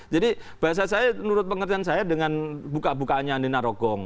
jadi bahasa saya menurut pengertian saya dengan buka bukaannya andina rogo